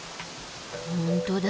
本当だ。